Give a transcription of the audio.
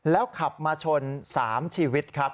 แล้วขับมาชน๓ชีวิตครับ